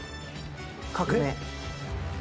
革命！